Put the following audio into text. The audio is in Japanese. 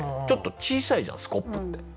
ちょっと小さいじゃんスコップって。